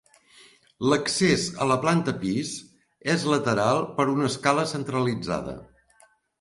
L'accés a la planta pis és lateral per una escala centralitzada.